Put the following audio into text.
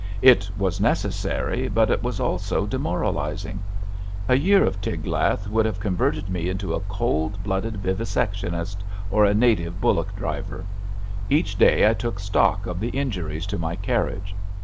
It was necessary, but it was also demoralising* A year of Tiglath would have converted me into a cold blooded vivisectionist, or a native bullock driver. Each day I took stock of the injuries to my carriage.